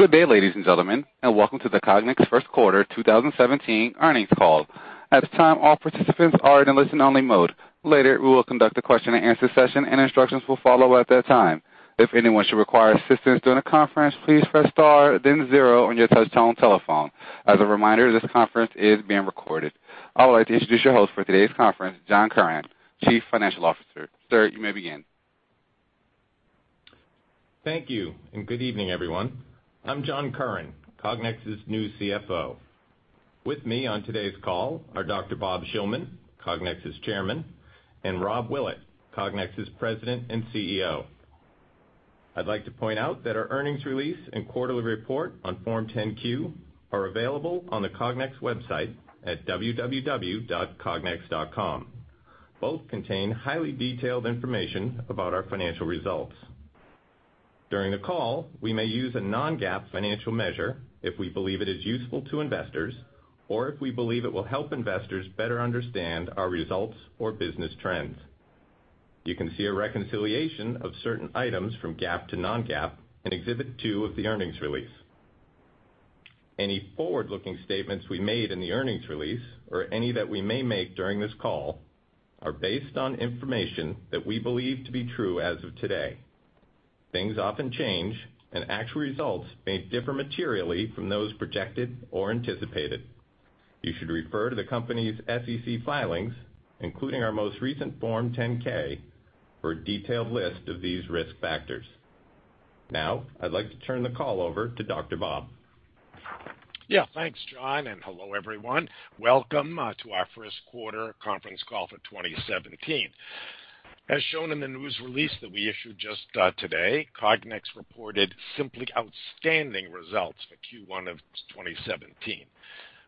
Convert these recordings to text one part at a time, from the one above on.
Good day, ladies and gentlemen, and welcome to the Cognex first quarter 2017 earnings call. At this time, all participants are in listen only mode. Later, we will conduct a question and answer session, and instructions will follow at that time. If anyone should require assistance during the conference, please press star then zero on your touchtone telephone. As a reminder, this conference is being recorded. I would like to introduce your host for today's conference, John Curran, Chief Financial Officer. Sir, you may begin. Thank you. Good evening, everyone. I'm John Curran, Cognex's new CFO. With me on today's call are Dr. Bob Shillman, Cognex's Chairman, and Rob Willett, Cognex's President and CEO. I'd like to point out that our earnings release and quarterly report on Form 10-Q are available on the Cognex website at www.cognex.com. Both contain highly detailed information about our financial results. During the call, we may use a non-GAAP financial measure if we believe it is useful to investors or if we believe it will help investors better understand our results or business trends. You can see a reconciliation of certain items from GAAP to non-GAAP in Exhibit 2 of the earnings release. Any forward-looking statements we made in the earnings release or any that we may make during this call are based on information that we believe to be true as of today. Things often change. Actual results may differ materially from those projected or anticipated. You should refer to the company's SEC filings, including our most recent Form 10-K, for a detailed list of these risk factors. I'd like to turn the call over to Dr. Bob. Thanks, John. Hello, everyone. Welcome to our first quarter conference call for 2017. As shown in the news release that we issued just today, Cognex reported simply outstanding results for Q1 of 2017.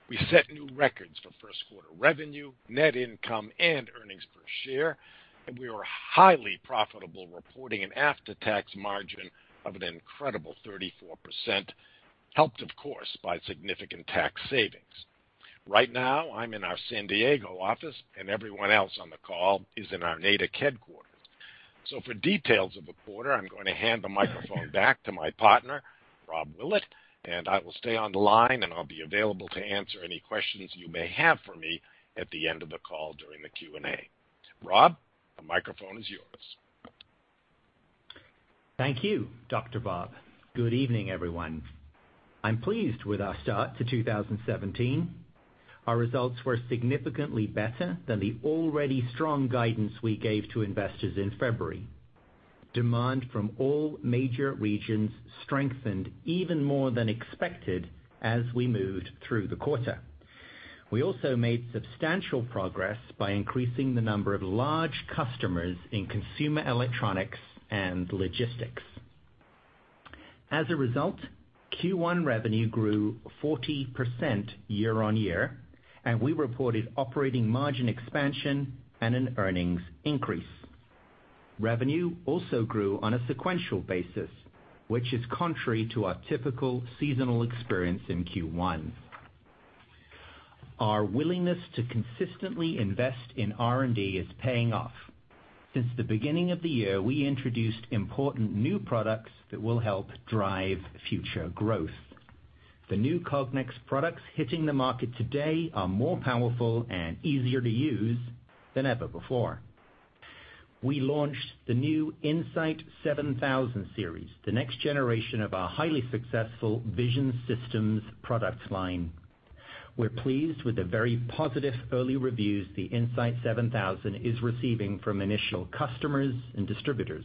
We set new records for first quarter revenue, net income, and earnings per share, and we were highly profitable, reporting an after-tax margin of an incredible 34%, helped of course by significant tax savings. Right now, I'm in our San Diego office. Everyone else on the call is in our Natick headquarters. For details of the quarter, I'm going to hand the microphone back to my partner, Rob Willett, and I will stay on the line, and I'll be available to answer any questions you may have for me at the end of the call during the Q&A. Rob, the microphone is yours. Thank you, Dr. Bob. Good evening, everyone. I'm pleased with our start to 2017. Our results were significantly better than the already strong guidance we gave to investors in February. Demand from all major regions strengthened even more than expected as we moved through the quarter. We also made substantial progress by increasing the number of large customers in consumer electronics and logistics. As a result, Q1 revenue grew 40% year-over-year, and we reported operating margin expansion and an earnings increase. Revenue also grew on a sequential basis, which is contrary to our typical seasonal experience in Q1. Our willingness to consistently invest in R&D is paying off. Since the beginning of the year, we introduced important new products that will help drive future growth. The new Cognex products hitting the market today are more powerful and easier to use than ever before. We launched the new In-Sight 7000 series, the next generation of our highly successful vision systems product line. We're pleased with the very positive early reviews the In-Sight 7000 is receiving from initial customers and distributors.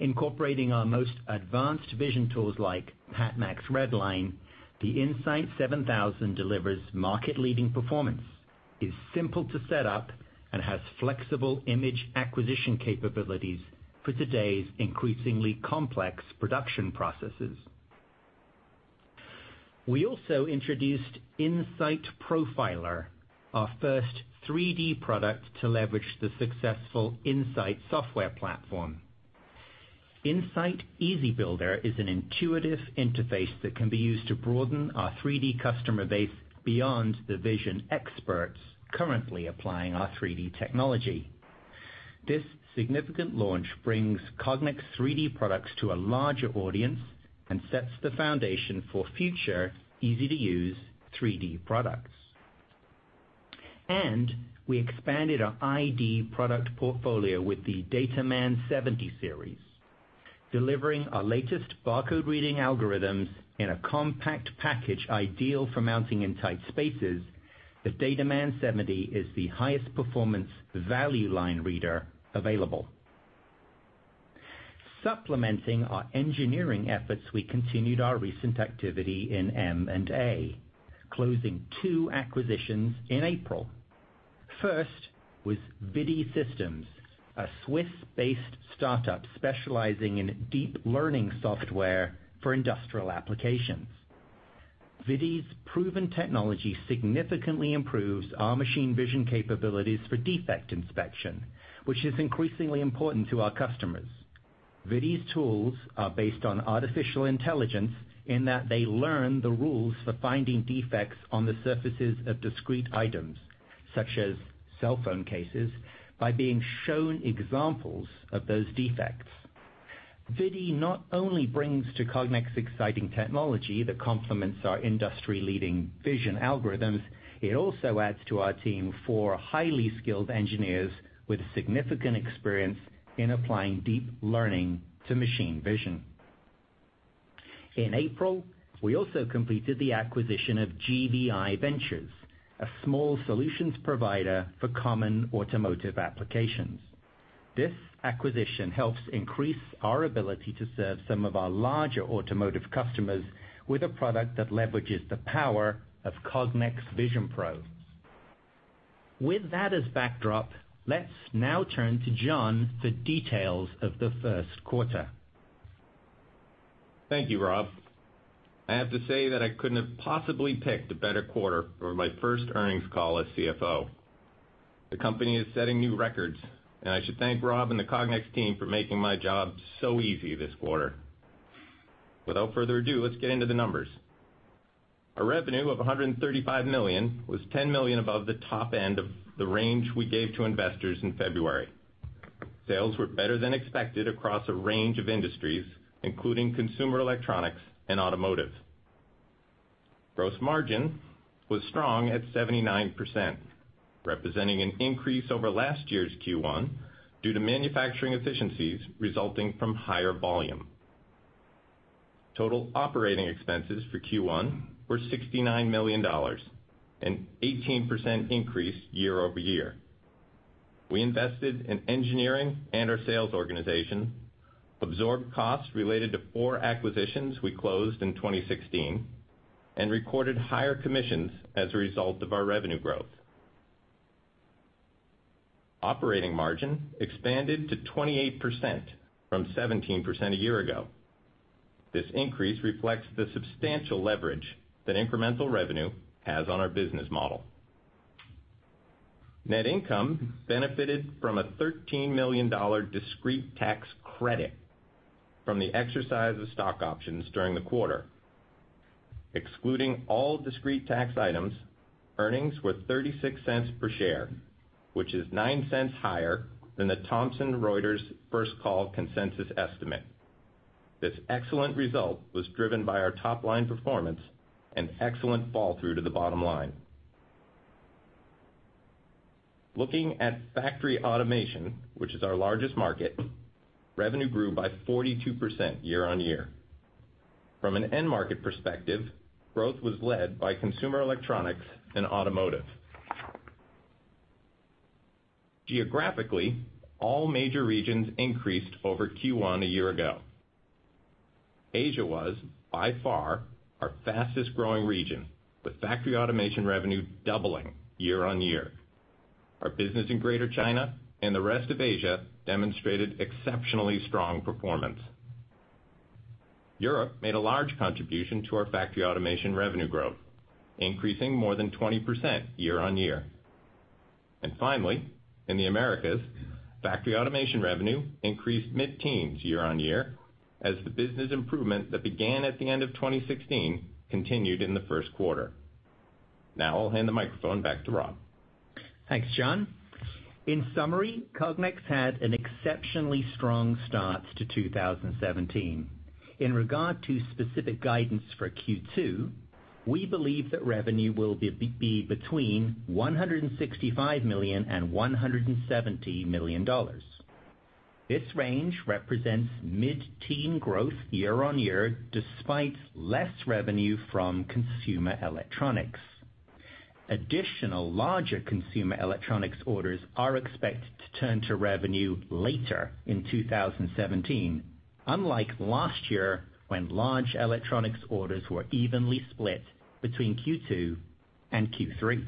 Incorporating our most advanced vision tools like PatMax RedLine, the In-Sight 7000 delivers market-leading performance, is simple to set up, and has flexible image acquisition capabilities for today's increasingly complex production processes. We also introduced In-Sight Profiler, our first 3D product to leverage the successful In-Sight software platform. In-Sight EasyBuilder is an intuitive interface that can be used to broaden our 3D customer base beyond the vision experts currently applying our 3D technology. This significant launch brings Cognex 3D products to a larger audience and sets the foundation for future easy-to-use 3D products. We expanded our ID product portfolio with the DataMan 70 series. Delivering our latest barcode reading algorithms in a compact package ideal for mounting in tight spaces, the DataMan 70 is the highest performance value line reader available. Supplementing our engineering efforts, we continued our recent activity in M&A, closing two acquisitions in April. First was ViDi Systems, a Swiss-based startup specializing in deep learning software for industrial applications. ViDi's proven technology significantly improves our machine vision capabilities for defect inspection, which is increasingly important to our customers. ViDi's tools are based on artificial intelligence in that they learn the rules for finding defects on the surfaces of discrete items. Such as cell phone cases, by being shown examples of those defects. ViDi not only brings to Cognex exciting technology that complements our industry-leading vision algorithms, it also adds to our team four highly skilled engineers with significant experience in applying deep learning to machine vision. In April, we also completed the acquisition of GVi Ventures, a small solutions provider for common automotive applications. This acquisition helps increase our ability to serve some of our larger automotive customers with a product that leverages the power of Cognex VisionPro. With that as backdrop, let's now turn to John for details of the first quarter. Thank you, Rob. I have to say that I couldn't have possibly picked a better quarter for my first earnings call as CFO. The company is setting new records, and I should thank Rob and the Cognex team for making my job so easy this quarter. Without further ado, let's get into the numbers. Our revenue of $135 million was $10 million above the top end of the range we gave to investors in February. Sales were better than expected across a range of industries, including consumer electronics and automotive. Gross margin was strong at 79%, representing an increase over last year's Q1 due to manufacturing efficiencies resulting from higher volume. Total operating expenses for Q1 were $69 million, an 18% increase year-over-year. We invested in engineering and our sales organization, absorbed costs related to four acquisitions we closed in 2016, and recorded higher commissions as a result of our revenue growth. Operating margin expanded to 28% from 17% a year ago. This increase reflects the substantial leverage that incremental revenue has on our business model. Net income benefited from a $13 million discrete tax credit from the exercise of stock options during the quarter. Excluding all discrete tax items, earnings were $0.36 per share, which is $0.09 higher than the Thomson Reuters First Call Consensus Estimate. This excellent result was driven by our top-line performance and excellent fall-through to the bottom line. Looking at factory automation, which is our largest market, revenue grew by 42% year-on-year. From an end market perspective, growth was led by consumer electronics and automotive. Geographically, all major regions increased over Q1 a year ago. Asia was, by far, our fastest-growing region, with factory automation revenue doubling year-on-year. Our business in Greater China and the rest of Asia demonstrated exceptionally strong performance. Europe made a large contribution to our factory automation revenue growth, increasing more than 20% year-on-year. Finally, in the Americas, factory automation revenue increased mid-teens year-on-year as the business improvement that began at the end of 2016 continued in the first quarter. Now, I'll hand the microphone back to Rob. Thanks, John. In summary, Cognex had an exceptionally strong start to 2017. In regard to specific guidance for Q2, we believe that revenue will be between $165 million and $170 million. This range represents mid-teen growth year-on-year, despite less revenue from consumer electronics. Additional larger consumer electronics orders are expected to turn to revenue later in 2017, unlike last year, when large electronics orders were evenly split between Q2 and Q3.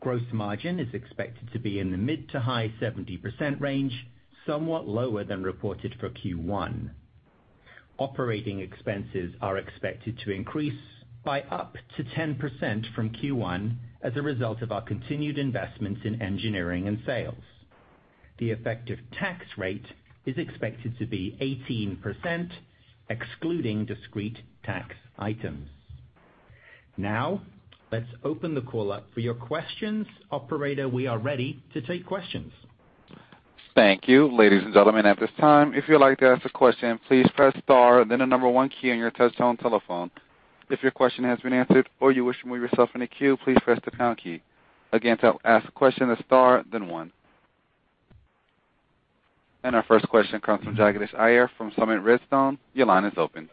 Gross margin is expected to be in the mid-to-high 70% range, somewhat lower than reported for Q1. Operating expenses are expected to increase by up to 10% from Q1 as a result of our continued investments in engineering and sales. The effective tax rate is expected to be 18%, excluding discrete tax items. Now, let's open the call up for your questions. Operator, we are ready to take questions. Thank you. Ladies and gentlemen, at this time, if you'd like to ask a question, please press star then the number one key on your touchtone telephone. If your question has been answered or you wish to remove yourself from the queue, please press the pound key. Again, to ask a question, the star then one. Our first question comes from Jagadish Iyer from Summit Redstone. Your line is open.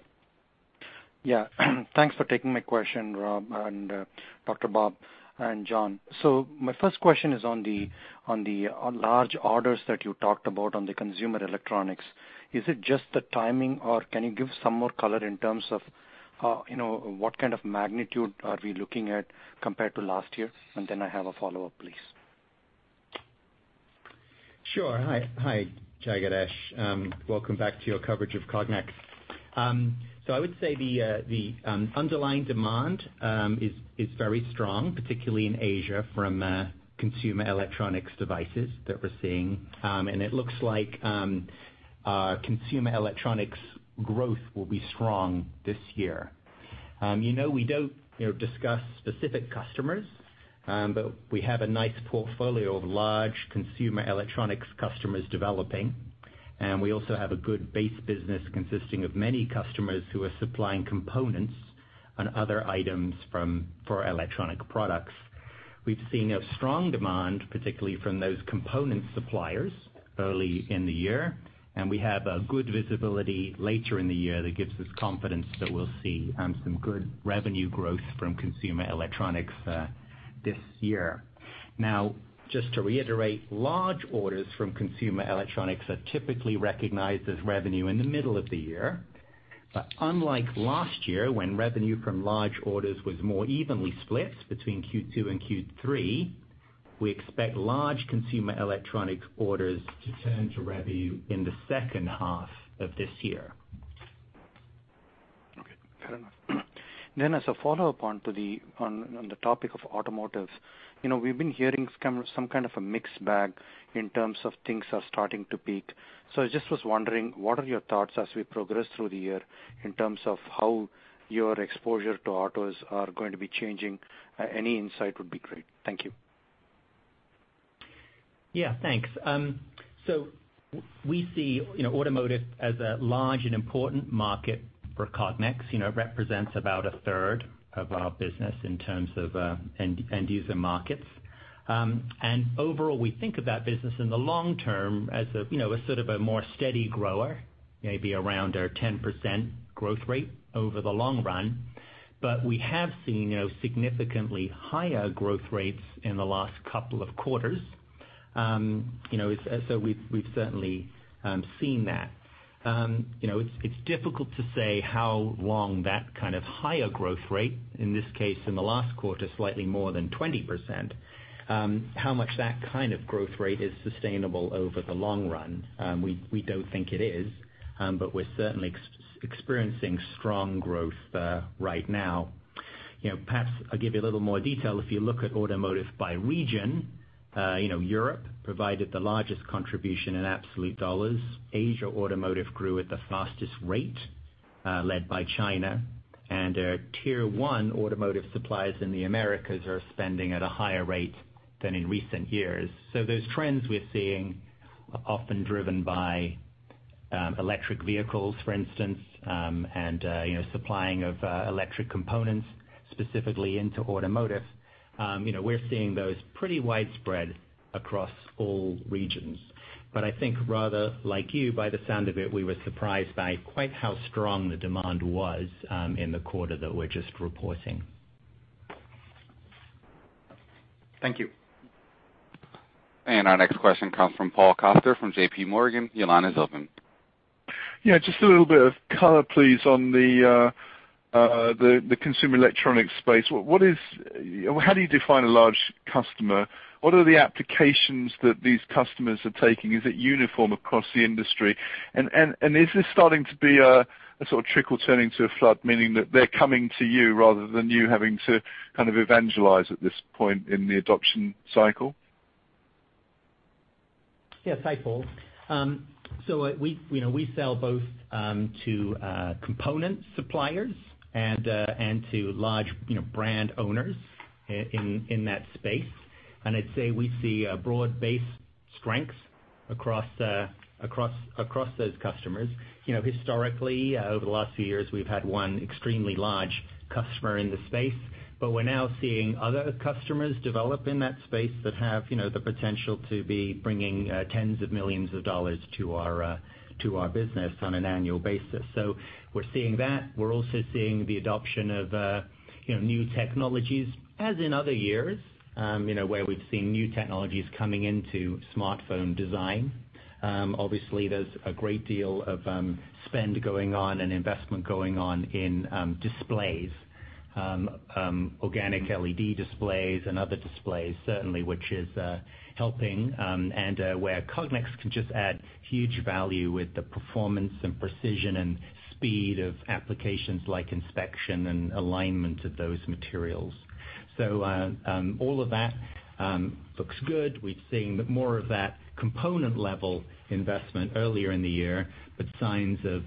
Yeah. Thanks for taking my question, Rob and Dr. Bob and John. My first question is on the large orders that you talked about on the consumer electronics. Is it just the timing, or can you give some more color in terms of what kind of magnitude are we looking at compared to last year? Then I have a follow-up, please. Sure. Hi, Jagadish. Welcome back to your coverage of Cognex. I would say the underlying demand is very strong, particularly in Asia, from consumer electronics devices that we're seeing. It looks like consumer electronics growth will be strong this year. You know we don't discuss specific customers, but we have a nice portfolio of large consumer electronics customers developing. We also have a good base business consisting of many customers who are supplying components and other items for electronic products. We've seen a strong demand, particularly from those component suppliers early in the year, and we have a good visibility later in the year that gives us confidence that we'll see some good revenue growth from consumer electronics this year. Just to reiterate, large orders from consumer electronics are typically recognized as revenue in the middle of the year. Unlike last year, when revenue from large orders was more evenly split between Q2 and Q3, we expect large consumer electronic orders to turn to revenue in the second half of this year. Okay, fair enough. As a follow-up on the topic of automotive. We've been hearing some kind of a mixed bag in terms of things are starting to peak. I just was wondering, what are your thoughts as we progress through the year in terms of how your exposure to autos are going to be changing? Any insight would be great. Thank you. Yeah, thanks. We see automotive as a large and important market for Cognex. It represents about a third of our business in terms of end-user markets. Overall, we think of that business in the long term as a sort of a more steady grower, maybe around a 10% growth rate over the long run. We have seen significantly higher growth rates in the last couple of quarters. We've certainly seen that. It's difficult to say how long that kind of higher growth rate, in this case, in the last quarter, slightly more than 20%, how much that kind of growth rate is sustainable over the long run. We don't think it is, but we're certainly experiencing strong growth right now. Perhaps I'll give you a little more detail. If you look at automotive by region, Europe provided the largest contribution in absolute dollars. Asia automotive grew at the fastest rate, led by China, our Tier 1 automotive suppliers in the Americas are spending at a higher rate than in recent years. Those trends we're seeing often driven by electric vehicles, for instance, and supplying of electric components specifically into automotive. We're seeing those pretty widespread across all regions. I think rather like you, by the sound of it, we were surprised by quite how strong the demand was in the quarter that we're just reporting. Thank you. Our next question comes from Paul Coster from J.P. Morgan. Your line is open. Yeah, just a little bit of color, please, on the consumer electronics space. How do you define a large customer? What are the applications that these customers are taking? Is it uniform across the industry? Is this starting to be a sort of trickle turning to a flood, meaning that they're coming to you rather than you having to kind of evangelize at this point in the adoption cycle? Yeah. Hi, Paul. We sell both to component suppliers and to large brand owners in that space. I'd say we see a broad base strength across those customers. Historically, over the last few years, we've had one extremely large customer in the space, but we're now seeing other customers develop in that space that have the potential to be bringing tens of millions of dollars to our business on an annual basis. We're seeing that. We're also seeing the adoption of new technologies, as in other years, where we've seen new technologies coming into smartphone design. Obviously, there's a great deal of spend going on and investment going on in displays. Organic LED displays and other displays certainly, which is helping, and where Cognex can just add huge value with the performance and precision and speed of applications like inspection and alignment of those materials. All of that looks good. We're seeing more of that component level investment earlier in the year, but signs of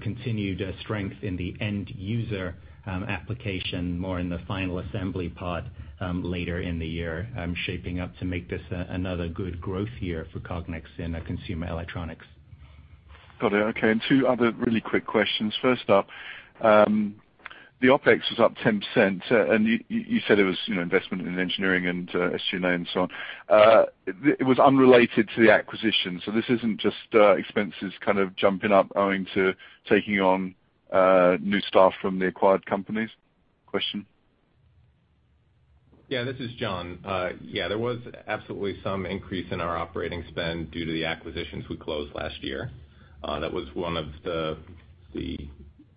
continued strength in the end-user application, more in the final assembly part later in the year shaping up to make this another good growth year for Cognex in consumer electronics. Got it, okay. Two other really quick questions. First up, the OpEx was up 10%, and you said it was investment in engineering and S&A and so on. It was unrelated to the acquisition. This isn't just expenses kind of jumping up owing to taking on new staff from the acquired companies? Question. Yeah, this is John. There was absolutely some increase in our operating spend due to the acquisitions we closed last year. That was one of the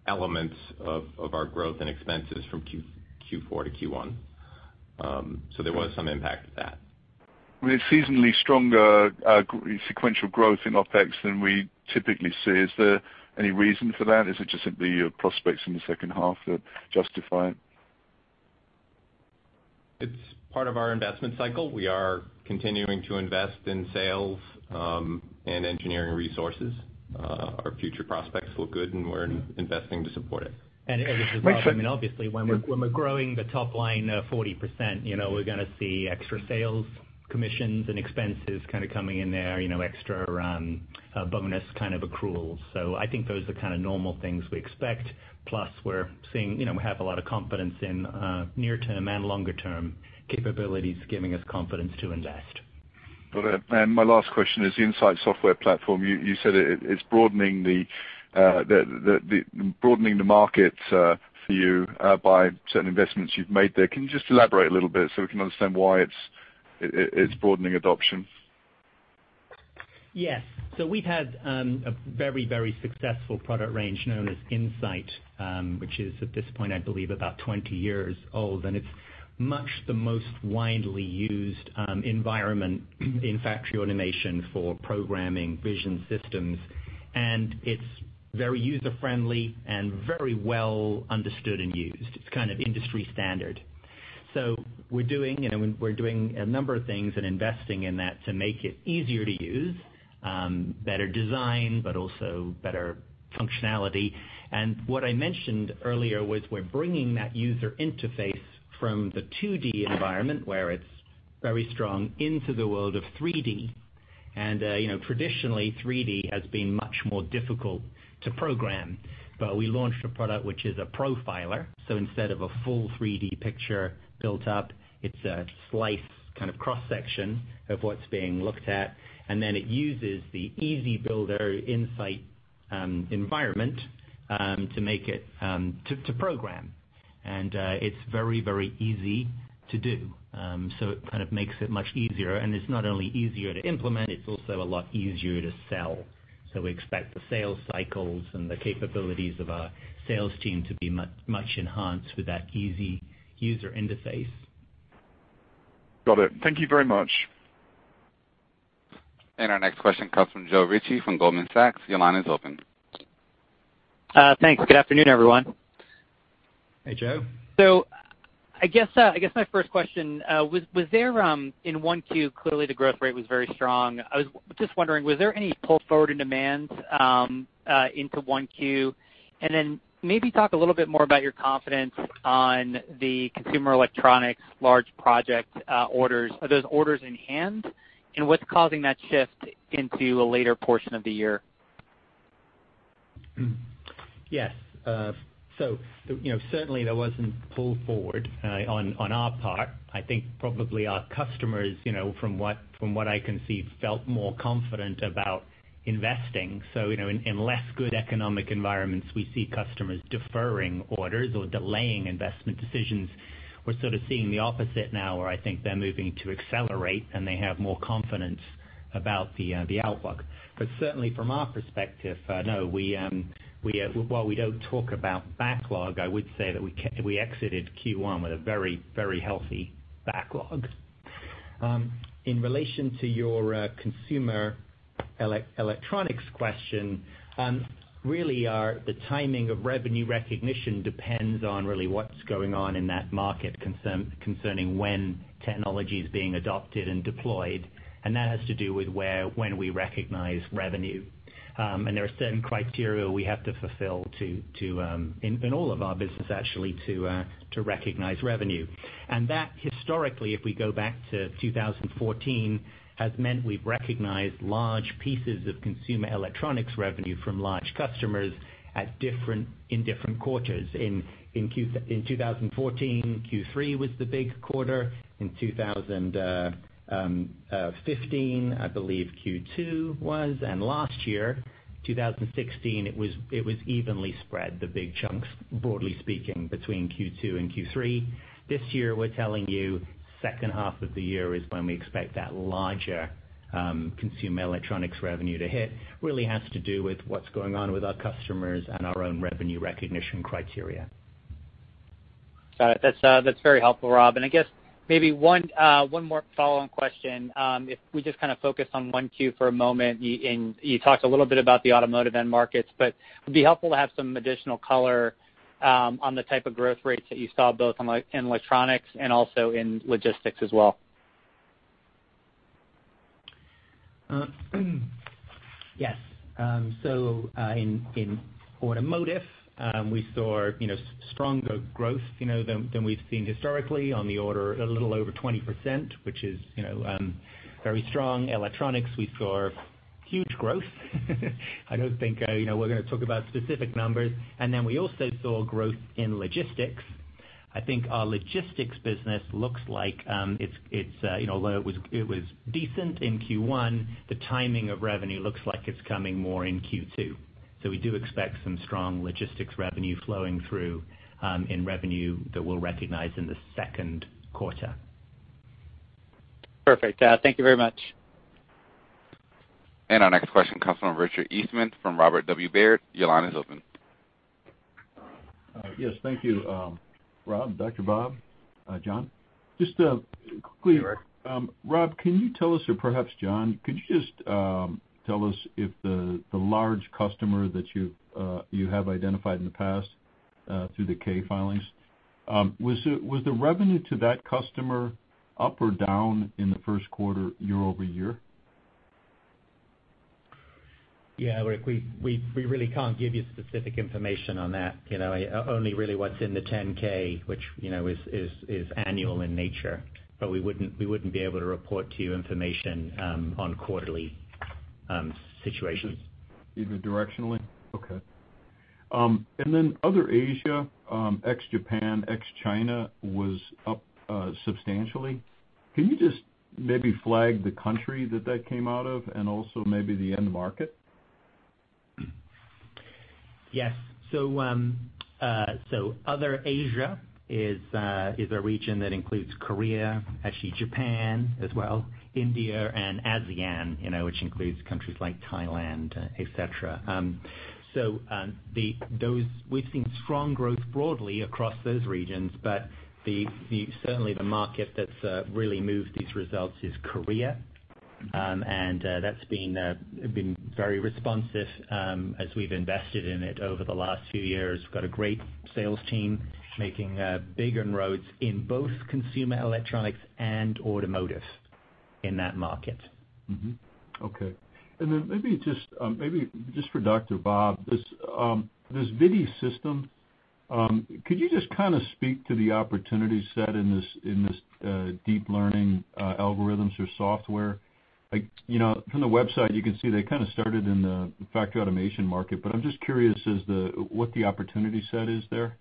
elements of our growth and expenses from Q4 to Q1. There was some impact with that. With seasonally stronger sequential growth in OpEx than we typically see. Is there any reason for that? Is it just simply your prospects in the second half that justify it? It's part of our investment cycle. We are continuing to invest in sales and engineering resources. Our future prospects look good, and we're investing to support it. As with Rob, obviously, when we're growing the top line 40%, we're going to see extra sales commissions and expenses kind of coming in there, extra bonus kind of accruals. I think those are kind of normal things we expect. Plus, we have a lot of confidence in near-term and longer-term capabilities, giving us confidence to invest. Got it. My last question is the In-Sight software platform. You said it's broadening the market for you by certain investments you've made there. Can you just elaborate a little bit so we can understand why it's broadening adoption? Yes. We've had a very successful product range known as In-Sight, which is at this point, I believe about 20 years old, it's much the most widely used environment in factory automation for programming vision systems, it's very user-friendly and very well understood and used. It's kind of industry standard. We're doing a number of things and investing in that to make it easier to use, better design, but also better functionality. What I mentioned earlier was we're bringing that user interface from the 2D environment, where it's very strong, into the world of 3D. Traditionally, 3D has been much more difficult to program, we launched a product which is a profiler. Instead of a full 3D picture built up, it's a slice, kind of cross-section of what's being looked at. It uses the EasyBuilder In-Sight environment to program. It's very easy to do. It kind of makes it much easier, it's not only easier to implement, it's also a lot easier to sell. We expect the sales cycles and the capabilities of our sales team to be much enhanced with that easy user interface. Got it. Thank you very much. Our next question comes from Joe Ritchie from Goldman Sachs. Your line is open. Thanks. Good afternoon, everyone. Hey, Joe. I guess my first question, was there in 1Q, clearly the growth rate was very strong. I was just wondering, was there any pull forward in demand into 1Q? Maybe talk a little bit more about your confidence on the consumer electronics large project orders. Are those orders in hand? What's causing that shift into a later portion of the year? Yes. Certainly, there wasn't pull forward on our part. I think probably our customers from what I can see, felt more confident about investing. In less good economic environments, we see customers deferring orders or delaying investment decisions. We're sort of seeing the opposite now, where I think they're moving to accelerate, and they have more confidence about the outlook. Certainly, from our perspective, no. While we don't talk about backlog, I would say that we exited Q1 with a very healthy backlog. In relation to your consumer electronics question, really, the timing of revenue recognition depends on really what's going on in that market concerning when technology is being adopted and deployed, and that has to do with when we recognize revenue. There are certain criteria we have to fulfill in all of our business actually, to recognize revenue. That historically, if we go back to 2014, has meant we've recognized large pieces of consumer electronics revenue from large customers in different quarters. In 2014, Q3 was the big quarter. In 2015, I believe Q2 was, last year, 2016, it was evenly spread, the big chunks, broadly speaking, between Q2 and Q3. This year, we're telling you second half of the year is when we expect that larger consumer electronics revenue to hit. Really has to do with what's going on with our customers and our own revenue recognition criteria. Got it. That's very helpful, Rob. I guess maybe one more follow-on question. If we just kind of focus on 1Q for a moment, you talked a little bit about the automotive end markets, it'd be helpful to have some additional color on the type of growth rates that you saw, both in electronics and also in logistics as well. Yes. In automotive, we saw stronger growth than we've seen historically on the order a little over 20%, which is very strong. Electronics, we saw huge growth. I don't think we're going to talk about specific numbers. We also saw growth in logistics. I think our logistics business looks like it was decent in Q1. The timing of revenue looks like it's coming more in Q2. We do expect some strong logistics revenue flowing through in revenue that we'll recognize in the second quarter. Perfect. Thank you very much. Our next question comes from Richard Eastman from Robert W. Baird. Your line is open. Yes. Thank you. Rob, Dr. Bob, John. Rob, can you tell us, or perhaps John, could you just tell us if the large customer that you have identified in the past through the K filings, was the revenue to that customer up or down in the first quarter year-over-year? Yeah, Rick, we really can't give you specific information on that. Only really what's in the 10-K, which is annual in nature. We wouldn't be able to report to you information on quarterly situations. Even directionally? Okay. Other Asia, ex-Japan, ex-China, was up substantially. Can you just maybe flag the country that that came out of and also maybe the end market? Yes. Other Asia is a region that includes Korea, actually Japan as well, India, and ASEAN, which includes countries like Thailand, et cetera. We've seen strong growth broadly across those regions, but certainly the market that's really moved these results is Korea. That's been very responsive as we've invested in it over the last few years. We've got a great sales team making big inroads in both consumer electronics and automotive in that market. Mm-hmm. Okay. Maybe just for Dr. Bob, this ViDi Systems, could you just kind of speak to the opportunity set in this deep learning algorithms or software? From the website, you can see they kind of started in the factory automation market, I'm just curious what the opportunity set is there.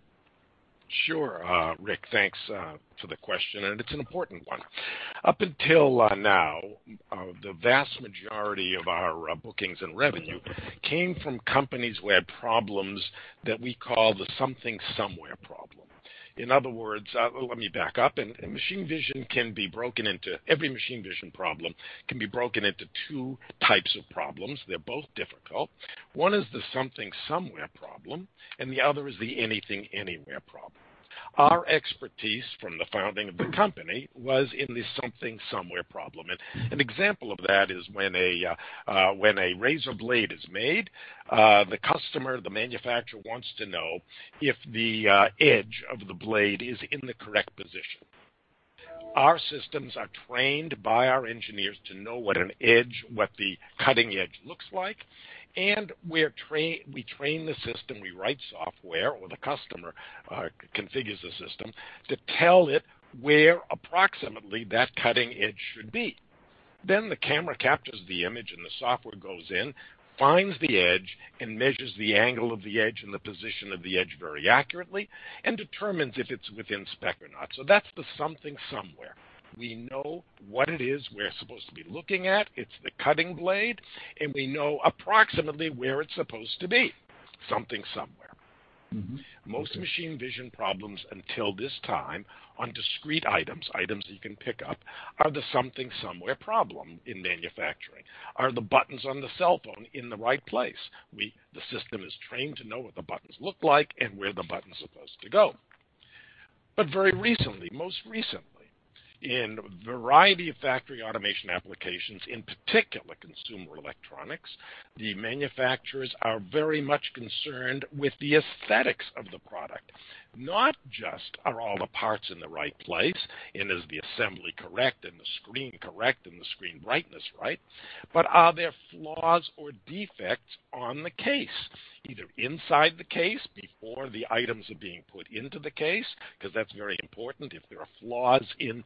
Sure. Rick, thanks for the question. It's an important one. Up until now, the vast majority of our bookings and revenue came from companies who had problems that we call the something somewhere problem. In other words, let me back up. Every machine vision problem can be broken into 2 types of problems. They're both difficult. One is the something somewhere problem, and the other is the anything anywhere problem. Our expertise from the founding of the company was in the something somewhere problem. An example of that is when a razor blade is made, the customer, the manufacturer wants to know if the edge of the blade is in the correct position. Our systems are trained by our engineers to know what an edge, what the cutting edge looks like, and we train the system, we write software, or the customer configures the system to tell it where approximately that cutting edge should be. The camera captures the image and the software goes in, finds the edge, and measures the angle of the edge and the position of the edge very accurately and determines if it's within spec or not. That's the something somewhere. We know what it is we're supposed to be looking at. It's the cutting blade, and we know approximately where it's supposed to be. Something somewhere. Okay. Most machine vision problems until this time, on discrete items that you can pick up, are the something somewhere problem in manufacturing. Are the buttons on the cell phone in the right place? The system is trained to know what the buttons look like and where the button's supposed to go. Very recently, most recently, in a variety of factory automation applications, in particular consumer electronics, the manufacturers are very much concerned with the aesthetics of the product. Not just are all the parts in the right place and is the assembly correct, and the screen correct, and the screen brightness right? Are there flaws or defects on the case? Either inside the case before the items are being put into the case, because that's very important. If there are flaws in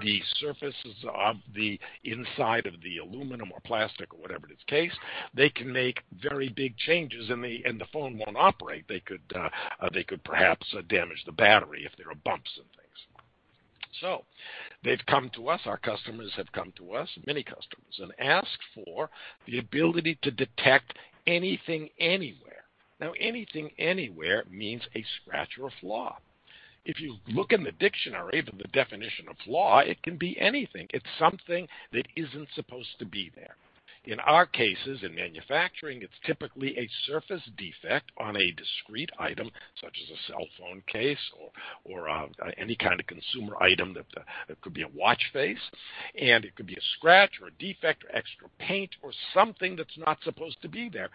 the surfaces of the inside of the aluminum or plastic or whatever it is case, they can make very big changes, and the phone won't operate. They could perhaps damage the battery if there are bumps and things. They've come to us, our customers have come to us, many customers, and asked for the ability to detect anything, anywhere. Now, anything, anywhere means a scratch or a flaw. If you look in the dictionary, the definition of flaw, it can be anything. It's something that isn't supposed to be there. In our cases, in manufacturing, it's typically a surface defect on a discrete item, such as a cell phone case or any kind of consumer item. It could be a watch face, and it could be a scratch or a defect or extra paint or something that's not supposed to be there.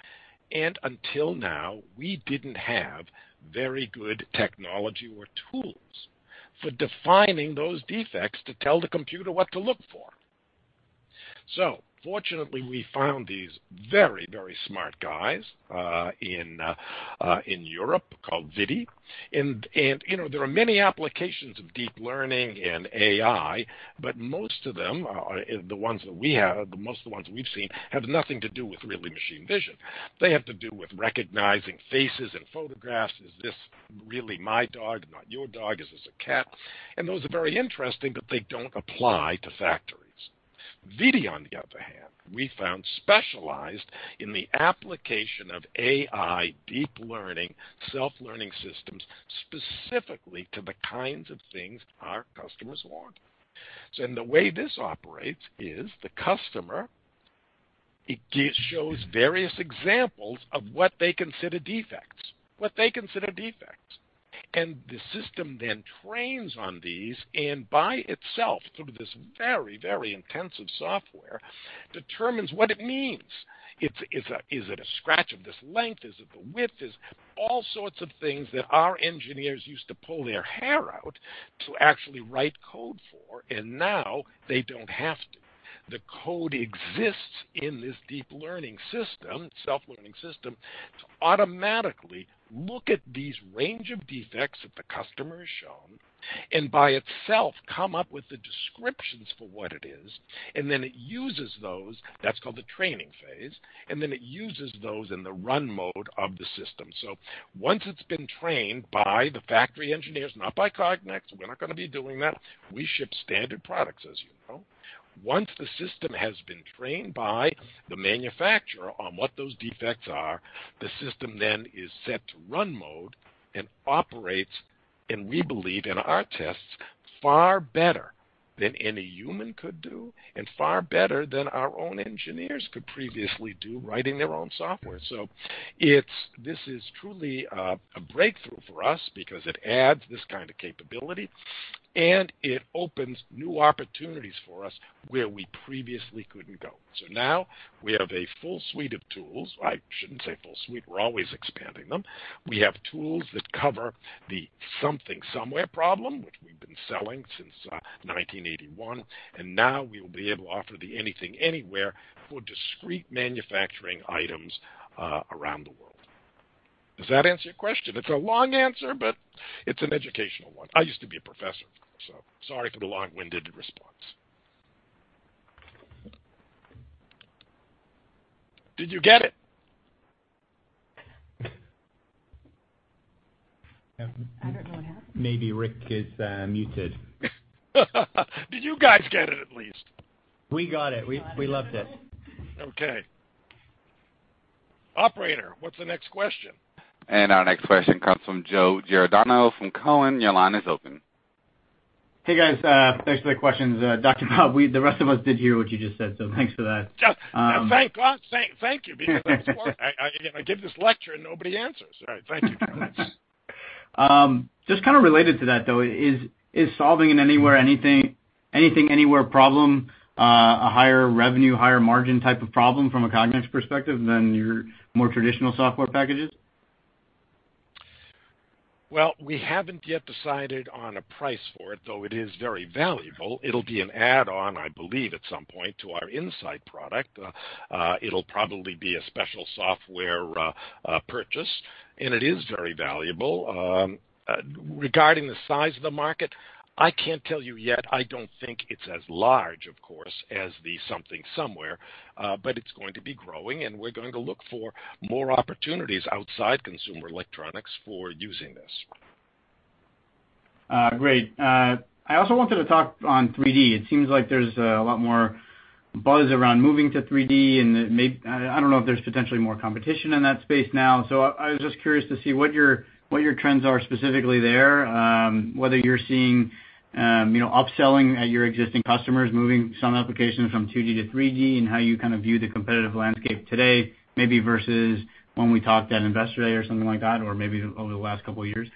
Until now, we didn't have very good technology or tools for defining those defects to tell the computer what to look for. Fortunately, we found these very, very smart guys in Europe called ViDi. There are many applications of deep learning and AI, but most of them, the ones that we have, most of the ones we've seen have nothing to do with really machine vision. They have to do with recognizing faces and photographs. Is this really my dog, not your dog? Is this a cat? Those are very interesting, but they don't apply to factories. ViDi, on the other hand, we found specialized in the application of AI, deep learning, self-learning systems, specifically to the kinds of things our customers want. The customer shows various examples of what they consider defects. The system then trains on these, and by itself, through this very, very intensive software, determines what it means. Is it a scratch of this length? Is it the width? Is it all sorts of things that our engineers used to pull their hair out to actually write code for, and now they don't have to. The code exists in this deep learning system, self-learning system, to automatically look at these range of defects that the customer has shown, and by itself, come up with the descriptions for what it is. Then it uses those, that's called the training phase, and then it uses those in the run mode of the system. Once it's been trained by the factory engineers, not by Cognex, we're not going to be doing that. We ship standard products, as you know. Once the system has been trained by the manufacturer on what those defects are, the system then is set to run mode and operates, and we believe in our tests, far better than any human could do, and far better than our own engineers could previously do writing their own software. This is truly a breakthrough for us because it adds this kind of capability, and it opens new opportunities for us where we previously couldn't go. Now we have a full suite of tools. I shouldn't say full suite. We're always expanding them. We have tools that cover the something, somewhere problem, which we've been selling since 1981, and now we will be able to offer the anything, anywhere for discrete manufacturing items around the world. Does that answer your question? It's a long answer, but it's an educational one. I used to be a professor, of course. Sorry for the long-winded response. Did you get it? I don't know what happened. Maybe Rick is muted. Did you guys get it, at least? We got it. We got it. We loved it. Okay. Operator, what's the next question? Our next question comes from Joe Giordano from Cowen. Your line is open. Hey, guys. Thanks for the questions. Dr. Bob, the rest of us did hear what you just said, so thanks for that. Thank God. Thank you because I give this lecture and nobody answers. All right, thank you for that. Just kind of related to that, though, is solving an anything, anywhere problem, a higher revenue, higher margin type of problem from a Cognex perspective than your more traditional software packages? Well, we haven't yet decided on a price for it, though it is very valuable. It'll be an add-on, I believe, at some point to our In-Sight product. It'll probably be a special software purchase, and it is very valuable. Regarding the size of the market, I can't tell you yet. I don't think it's as large, of course, as the something, somewhere, but it's going to be growing, and we're going to look for more opportunities outside consumer electronics for using this. Great. I also wanted to talk on 3D. It seems like there's a lot more buzz around moving to 3D, and I don't know if there's potentially more competition in that space now. I was just curious to see what your trends are specifically there, whether you're seeing upselling at your existing customers, moving some applications from 2D to 3D, and how you kind of view the competitive landscape today, maybe versus when we talked at Investor Day or something like that, or maybe over the last couple of years.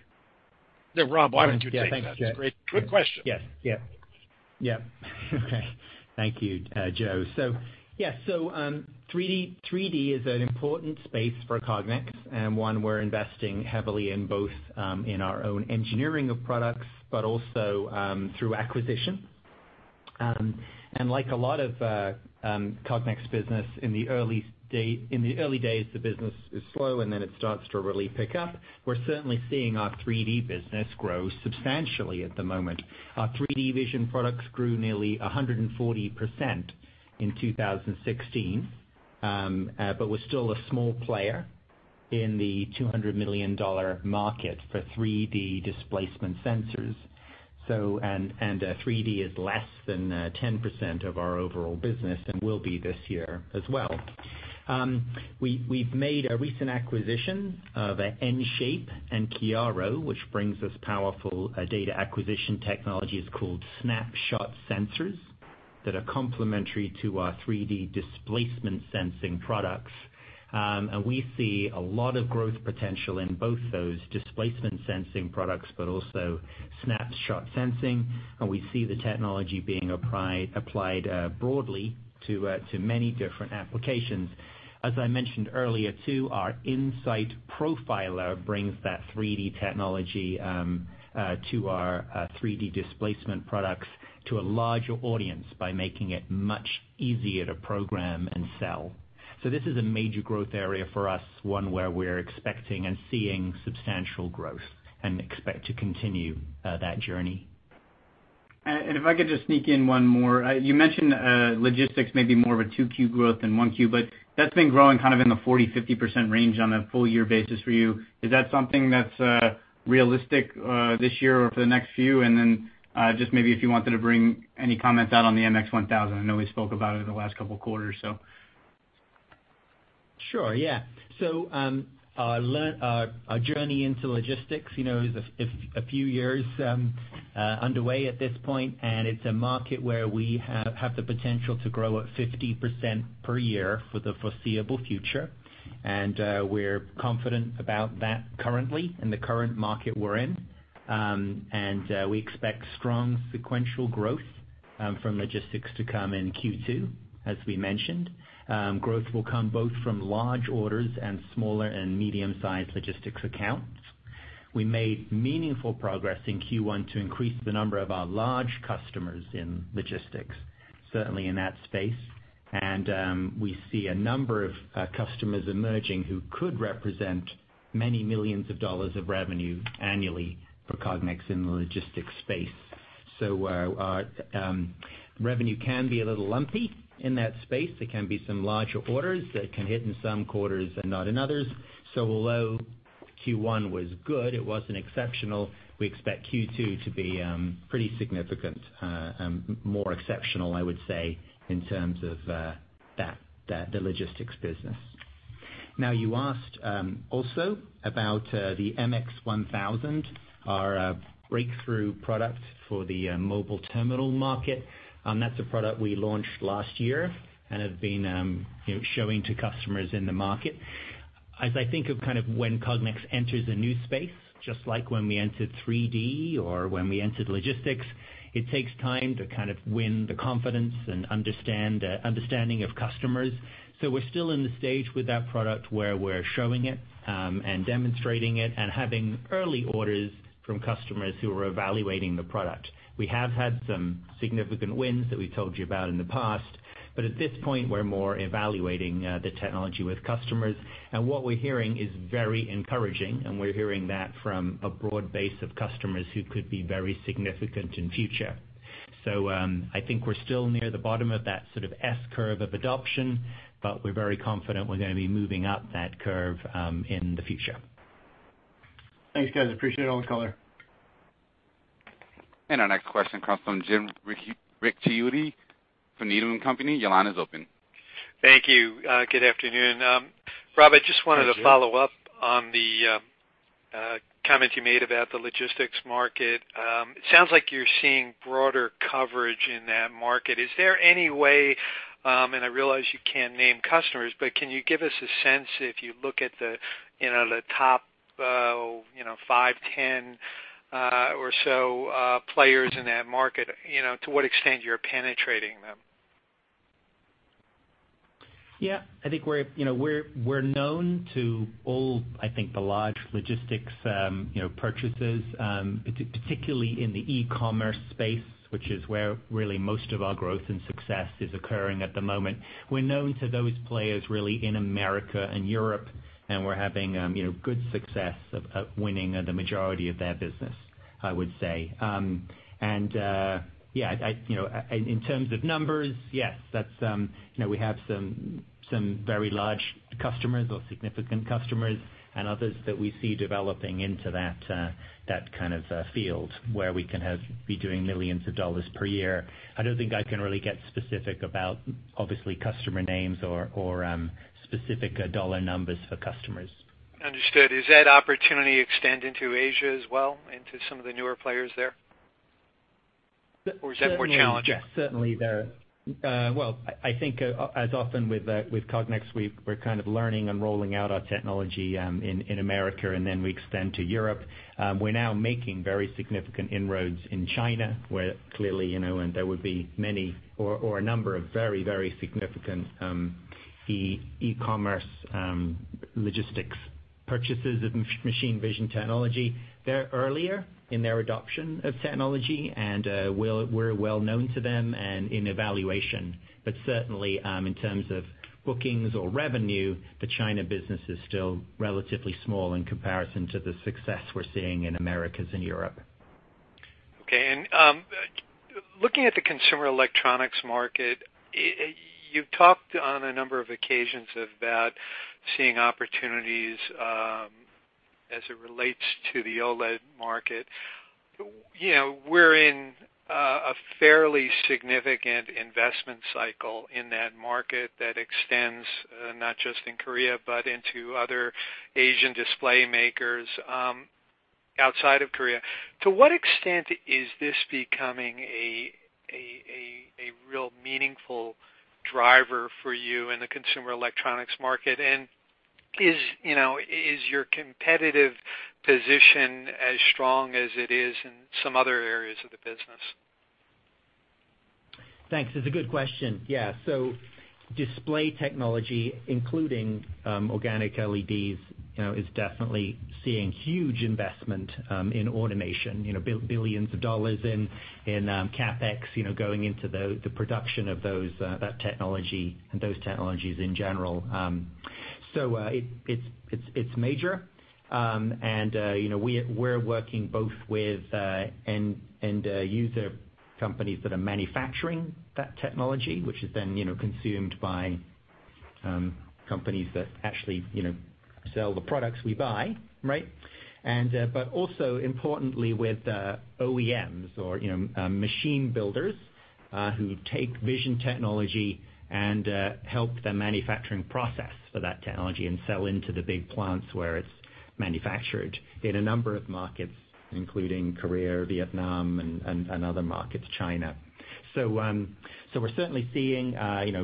Yeah, Rob, why don't you take that? Yeah, thanks, Joe. Great. Good question. Yes. Okay. Thank you, Joe. Yes, 3D is an important space for Cognex, and one we're investing heavily in both in our own engineering of products, but also through acquisition. Like a lot of Cognex business, in the early days, the business is slow, then it starts to really pick up. We're certainly seeing our 3D business grow substantially at the moment. Our 3D vision products grew nearly 140% in 2016, but we're still a small player in the $200 million market for 3D displacement sensors. 3D is less than 10% of our overall business and will be this year as well. We've made a recent acquisition of EnShape and Chiaro, which brings us powerful data acquisition technologies called snapshot sensors that are complementary to our 3D displacement sensing products. We see a lot of growth potential in both those displacement sensing products, but also snapshot sensing. We see the technology being applied broadly to many different applications. As I mentioned earlier, too, our In-Sight Laser Profiler brings that 3D technology to our 3D displacement products to a larger audience by making it much easier to program and sell. This is a major growth area for us, one where we're expecting and seeing substantial growth and expect to continue that journey. If I could just sneak in one more. You mentioned logistics may be more of a 2Q growth than 1Q, but that's been growing kind of in the 40%-50% range on a full year basis for you. Is that something that's realistic this year or for the next few? Then just maybe if you wanted to bring any comments out on the MX-1000. I know we spoke about it in the last couple of quarters or so. Sure, yeah. Our journey into logistics is a few years underway at this point, and it's a market where we have the potential to grow at 50% per year for the foreseeable future. We're confident about that currently in the current market we're in. We expect strong sequential growth from logistics to come in Q2, as we mentioned. Growth will come both from large orders and smaller and medium-sized logistics accounts. We made meaningful progress in Q1 to increase the number of our large customers in logistics, certainly in that space. We see a number of customers emerging who could represent many millions of dollars of revenue annually for Cognex in the logistics space. Revenue can be a little lumpy in that space. There can be some larger orders that can hit in some quarters and not in others. Although Q1 was good, it wasn't exceptional. We expect Q2 to be pretty significant, more exceptional, I would say, in terms of the logistics business. Now, you asked also about the MX-1000, our breakthrough product for the mobile terminal market. That's a product we launched last year and have been showing to customers in the market. As I think of when Cognex enters a new space, just like when we entered 3D or when we entered logistics, it takes time to kind of win the confidence and understanding of customers. We're still in the stage with that product where we're showing it and demonstrating it and having early orders from customers who are evaluating the product. We have had some significant wins that we told you about in the past, but at this point, we're more evaluating the technology with customers. What we're hearing is very encouraging, and we're hearing that from a broad base of customers who could be very significant in future. I think we're still near the bottom of that sort of S-curve of adoption, but we're very confident we're going to be moving up that curve in the future. Thanks, guys. Appreciate all the color. Our next question comes from James Ricchiuti from Needham & Company. Your line is open. Thank you. Good afternoon. Rob. Hi, Jim, I wanted to follow up on the comment you made about the logistics market. It sounds like you're seeing broader coverage in that market. Is there any way, and I realize you can't name customers, but can you give us a sense if you look at the top five, 10 or so players in that market, to what extent you're penetrating them? I think we're known to all, I think, the large logistics purchasers, particularly in the e-commerce space, which is where really most of our growth and success is occurring at the moment. We're known to those players really in America and Europe, we're having good success of winning the majority of their business, I would say. Yeah, in terms of numbers, yes, we have some very large customers or significant customers and others that we see developing into that kind of field where we can be doing millions of USD per year. I don't think I can really get specific about, obviously, customer names or specific dollar numbers for customers. Understood. Does that opportunity extend into Asia as well, into some of the newer players there? Is that more challenging? Certainly there. I think as often with Cognex, we're kind of learning and rolling out our technology in America, then we extend to Europe. We're now making very significant inroads in China, where clearly, there would be many or a number of very, very significant e-commerce, logistics purchases of machine vision technology. They're earlier in their adoption of technology, we're well known to them and in evaluation. Certainly, in terms of bookings or revenue, the China business is still relatively small in comparison to the success we're seeing in Americas and Europe. Looking at the consumer electronics market, you've talked on a number of occasions about seeing opportunities as it relates to the OLED market. We're in a fairly significant investment cycle in that market that extends not just in Korea, but into other Asian display makers outside of Korea. To what extent is this becoming a real meaningful driver for you in the consumer electronics market? Is your competitive position as strong as it is in some other areas of the business? Thanks. It's a good question. Yeah. Display technology, including organic LEDs, is definitely seeing huge investment in automation. Billions of dollars in CapEx going into the production of that technology and those technologies in general. It's major. We're working both with end user companies that are manufacturing that technology, which is then consumed by companies that actually sell the products we buy, right? Also importantly, with OEMs or machine builders who take vision technology and help the manufacturing process for that technology and sell into the big plants where it's manufactured in a number of markets, including Korea, Vietnam, and other markets, China. We're certainly seeing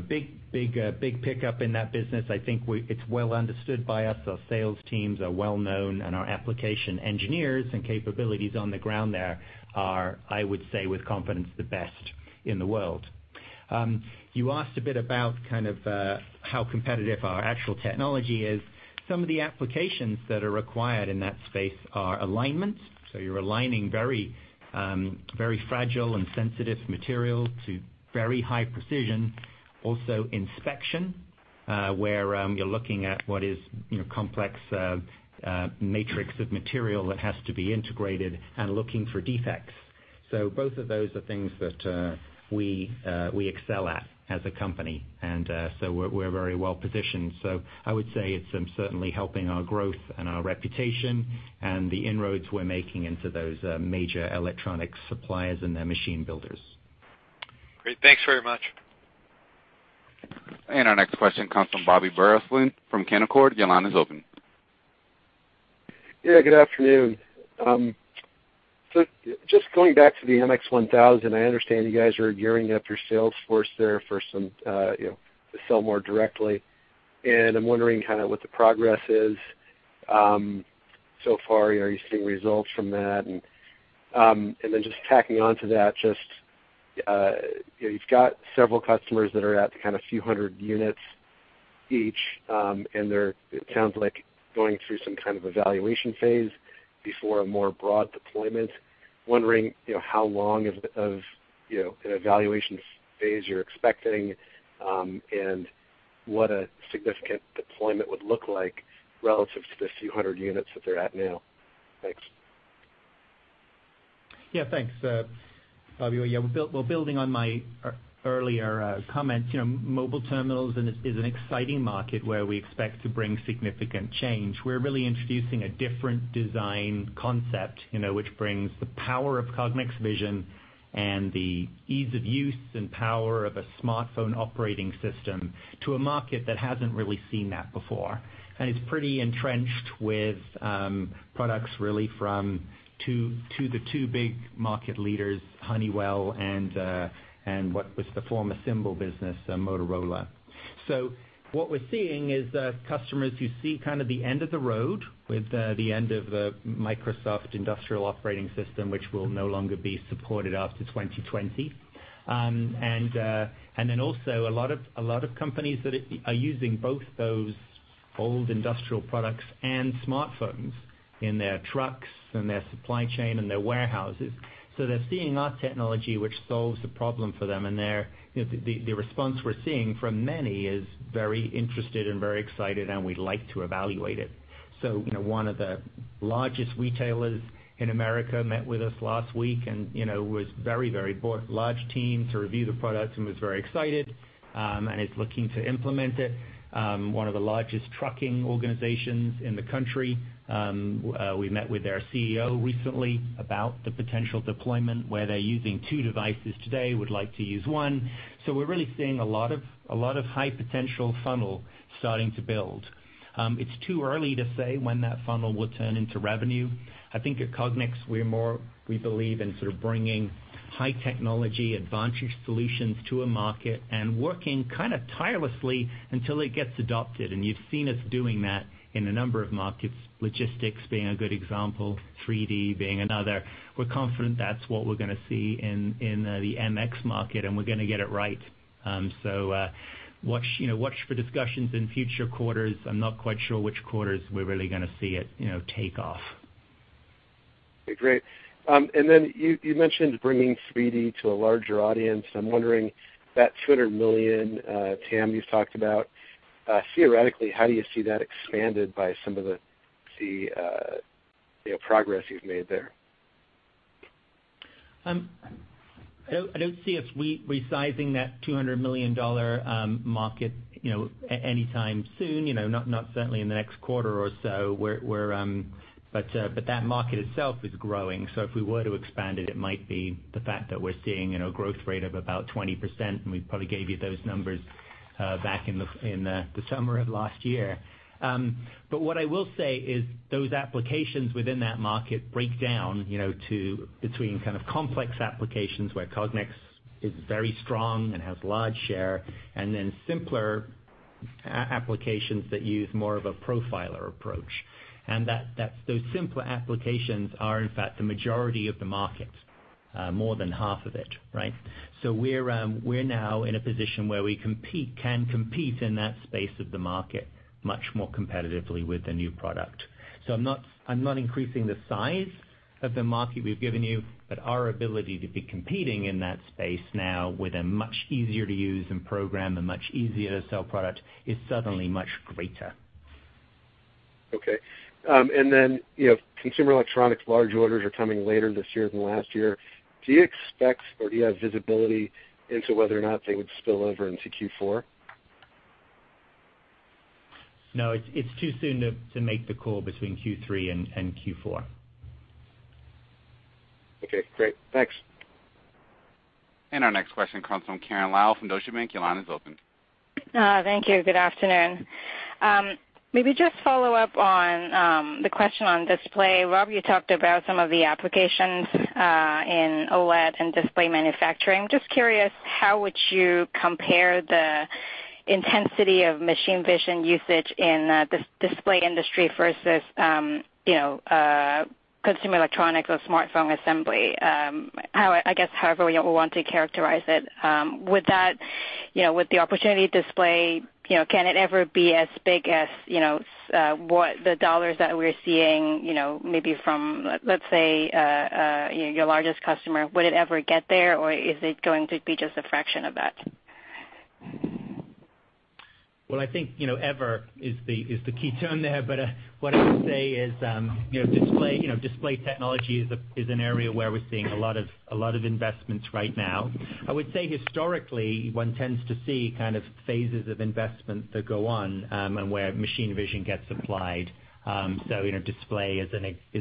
big pickup in that business. I think it's well understood by us. Our sales teams are well-known, and our application engineers and capabilities on the ground there are, I would say with confidence, the best in the world. You asked a bit about kind of how competitive our actual technology is. Some of the applications that are required in that space are alignment. You're aligning very fragile and sensitive material to very high precision. Also inspection, where you're looking at what is complex matrix of material that has to be integrated and looking for defects. Both of those are things that we excel at as a company. We're very well positioned. I would say it's certainly helping our growth and our reputation and the inroads we're making into those major electronic suppliers and their machine builders. Great. Thanks very much. Our next question comes from Bobby Burleson from Canaccord. Your line is open. Yeah, good afternoon. Going back to the MX-1000, I understand you guys are gearing up your sales force there to sell more directly. I am wondering kind of what the progress is so far. Are you seeing results from that? Tacking onto that, you have several customers that are at the kind of few hundred units each, and they are, it sounds like, going through some kind of evaluation phase before a more broad deployment. I am wondering how long of an evaluation phase you are expecting, and what a significant deployment would look like relative to the few hundred units that they are at now. Thanks. Yeah, thanks Bobby. Building on my earlier comments, mobile terminals is an exciting market where we expect to bring significant change. We are really introducing a different design concept which brings the power of Cognex vision and the ease of use and power of a smartphone operating system to a market that has not really seen that before. It is pretty entrenched with products really from the two big market leaders, Honeywell and what was the former Symbol business, Motorola. What we are seeing is that customers who see kind of the end of the road with the end of the Microsoft industrial operating system, which will no longer be supported after 2020. Also a lot of companies that are using both those old industrial products and smartphones in their trucks, in their supply chain, in their warehouses. They are seeing our technology, which solves the problem for them, and the response we are seeing from many is very interested and very excited, and we would like to evaluate it. One of the largest retailers in America met with us last week and brought a very large team to review the product and was very excited, and is looking to implement it. One of the largest trucking organizations in the country, we met with their CEO recently about the potential deployment where they are using two devices today, would like to use one. We are really seeing a lot of high potential funnel starting to build. It is too early to say when that funnel will turn into revenue. I think at Cognex, we believe in sort of bringing high technology advantage solutions to a market and working kind of tirelessly until it gets adopted. You have seen us doing that in a number of markets, logistics being a good example, 3D being another. We are confident that is what we are going to see in the MX market, and we are going to get it right. Watch for discussions in future quarters. I am not quite sure which quarters we are really going to see it take off. Okay, great. You mentioned bringing 3D to a larger audience. I'm wondering that $200 million, TAM, you've talked about, theoretically, how do you see that expanded by some of the progress you've made there? I don't see us resizing that $200 million market anytime soon, not certainly in the next quarter or so. That market itself is growing. If we were to expand it might be the fact that we're seeing a growth rate of about 20%, and we probably gave you those numbers back in the summer of last year. What I will say is those applications within that market break down between kind of complex applications where Cognex is very strong and has large share, and then simpler applications that use more of a profiler approach. Those simpler applications are, in fact, the majority of the market, more than half of it, right? We're now in a position where we can compete in that space of the market much more competitively with the new product. I'm not increasing the size of the market we've given you. Our ability to be competing in that space now with a much easier to use and program, a much easier to sell product, is suddenly much greater. Okay. Consumer electronics large orders are coming later this year than last year. Do you expect or do you have visibility into whether or not they would spill over into Q4? No, it's too soon to make the call between Q3 and Q4. Okay, great. Thanks. Our next question comes from Karen Lau from Deutsche Bank. Your line is open. Thank you. Good afternoon. Maybe just follow up on the question on display. Rob, you talked about some of the applications in OLED and display manufacturing. Just curious, how would you compare the intensity of machine vision usage in the display industry versus consumer electronics or smartphone assembly? I guess, however you want to characterize it. With the opportunity to display, can it ever be as big as the dollars that we're seeing maybe from, let's say, your largest customer? Would it ever get there, or is it going to be just a fraction of that? I think ever is the key term there. What I would say is display technology is an area where we're seeing a lot of investments right now. I would say historically, one tends to see kind of phases of investment that go on, and where machine vision gets applied. Display is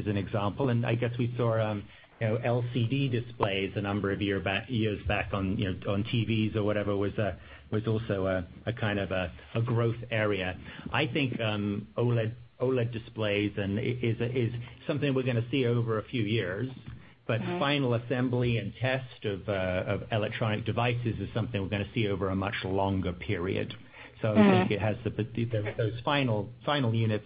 an example, and I guess we saw LCD displays a number of years back on TVs or whatever was also a kind of a growth area. I think OLED displays is something we're going to see over a few years, but final assembly and test of electronic devices is something we're going to see over a much longer period. I think those final units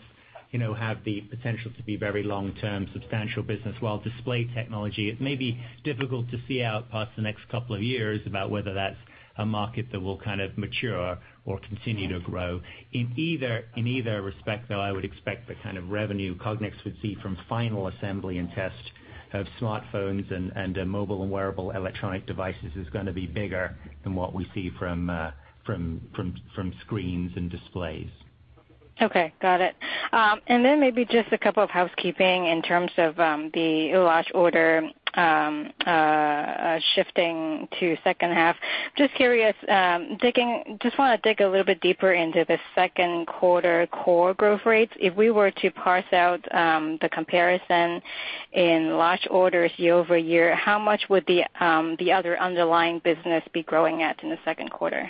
have the potential to be very long-term, substantial business, while display technology, it may be difficult to see out past the next couple of years about whether that's a market that will kind of mature or continue to grow. In either respect, though, I would expect the kind of revenue Cognex would see from final assembly and test of smartphones and mobile and wearable electronic devices is going to be bigger than what we see from screens and displays. Okay, got it. Maybe just a couple of housekeeping in terms of the large order shifting to second half. Curious, just want to dig a little bit deeper into the second quarter core growth rates. If we were to parse out the comparison in large orders year-over-year, how much would the other underlying business be growing at in the second quarter?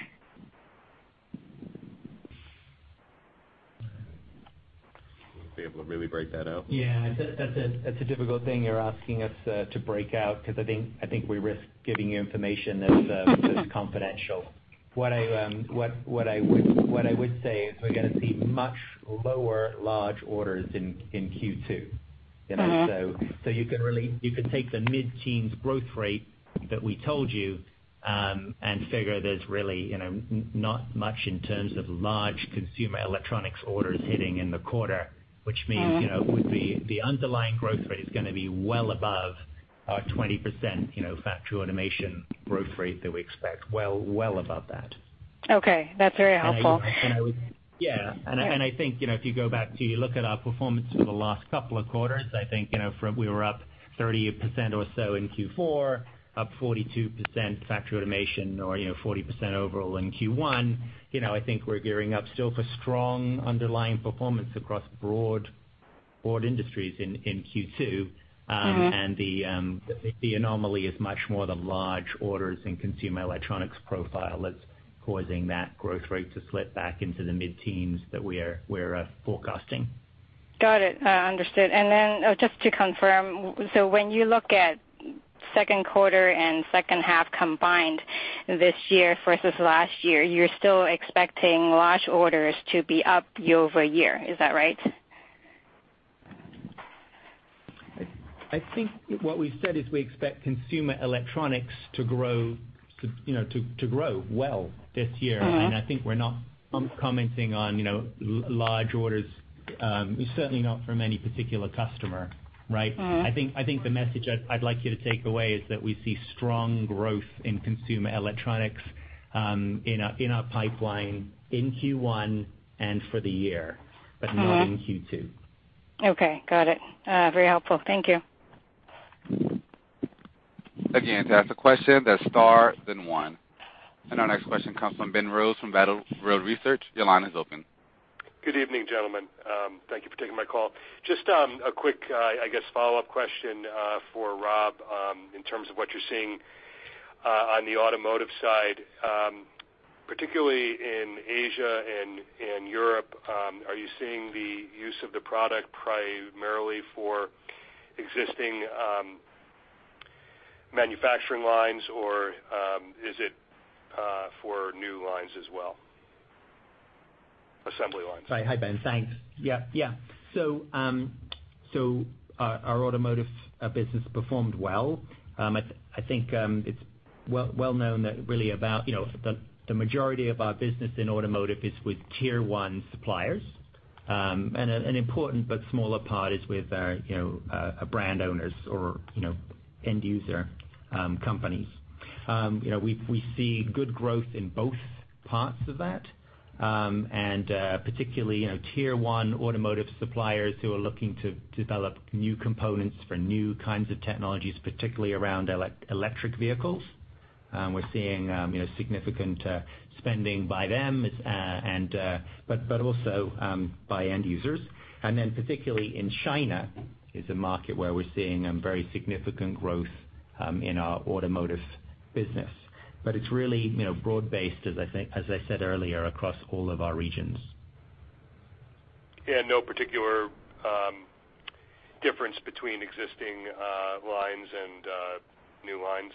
Be able to really break that out? Yeah, that's a difficult thing you're asking us to break out because I think we risk giving you information that's confidential. What I would say is we're going to see much lower large orders in Q2. You could take the mid-teens growth rate that we told you and figure there's really not much in terms of large consumer electronics orders hitting in the quarter, which means the underlying growth rate is going to be well above our 20% factory automation growth rate that we expect. Well above that. Okay. That's very helpful. Yeah. I think, if you go back to look at our performance for the last couple of quarters, I think we were up 30% or so in Q4, up 42% factory automation or 40% overall in Q1. I think we're gearing up still for strong underlying performance across broad industries in Q2. The anomaly is much more the large orders in consumer electronics profile that's causing that growth rate to slip back into the mid-teens that we're forecasting. Got it. Understood. Then just to confirm, when you look at second quarter and second half combined this year versus last year, you're still expecting large orders to be up year-over-year. Is that right? I think what we said is we expect consumer electronics to grow well this year. I think we're not commenting on large orders, certainly not from any particular customer. Right? I think the message I'd like you to take away is that we see strong growth in consumer electronics in our pipeline in Q1 and for the year, but not in Q2. Okay, got it. Very helpful. Thank you. Again, to ask a question, that's star then one. Our next question comes from Ben Rose from Battle Road Research. Your line is open. Good evening, gentlemen. Thank you for taking my call. Just a quick, I guess, follow-up question for Rob in terms of what you're seeing on the automotive side, particularly in Asia and Europe. Are you seeing the use of the product primarily for existing manufacturing lines, or is it for new lines as well? Assembly lines. Hi, Ben. Thanks. Yeah. Our automotive business performed well. I think it's well known that really about the majority of our business in automotive is with tier 1 suppliers. An important but smaller part is with our brand owners or end user companies. We see good growth in both parts of that, particularly tier 1 automotive suppliers who are looking to develop new components for new kinds of technologies, particularly around electric vehicles. We're seeing significant spending by them, but also by end users. Particularly in China, is a market where we're seeing very significant growth in our automotive business. It's really broad based, as I said earlier, across all of our regions. Yeah, no particular difference between existing lines and new lines?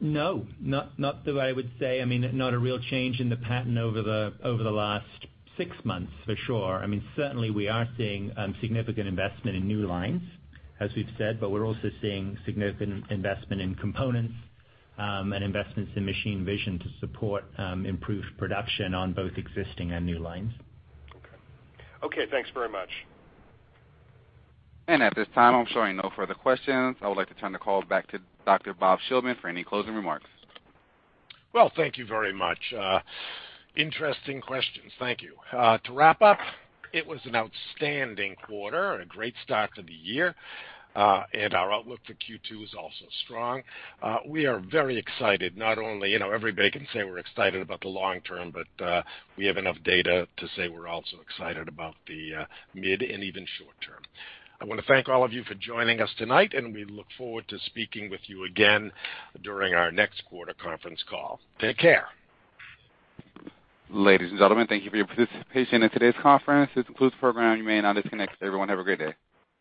No, not that I would say, I mean, not a real change in the pattern over the last six months, for sure. I mean, certainly we are seeing significant investment in new lines, as we've said, we're also seeing significant investment in components, and investments in machine vision to support improved production on both existing and new lines. Okay. Thanks very much. At this time, I'm showing no further questions. I would like to turn the call back to Dr. Bob Shillman for any closing remarks. Well, thank you very much. Interesting questions, thank you. To wrap up, it was an outstanding quarter and a great start to the year. Our outlook for Q2 is also strong. We are very excited, not only, every day can say we're excited about the long term, but we have enough data to say we're also excited about the mid and even short term. I want to thank all of you for joining us tonight, and we look forward to speaking with you again during our next quarter conference call. Take care. Ladies and gentlemen, thank you for your participation in today's conference. This concludes the program. You may now disconnect. Everyone, have a great day.